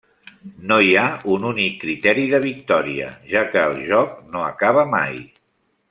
No hi ha un únic criteri de victòria, ja que el joc no acaba mai.